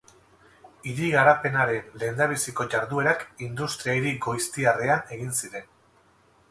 Hiri-garapenaren lehendabiziko jarduerak industria-hiri goiztiarrean egin ziren.